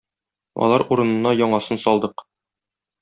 Алар урынына яңасын салдык.